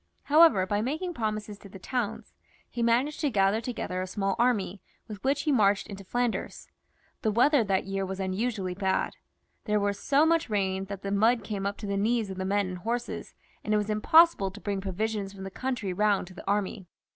However, by making promises to the towns, he managed to gather together a small army, with which he marched into Flanders. The weather that year was unusually bad. There was such hard rain, that the mud came up to the knees of the men and horses, and it was impossible to bring provisions from the country round to the army.